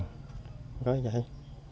không có gì hết